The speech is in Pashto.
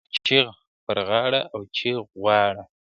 ¬ جغ پر غاړه، او جغ غواړه.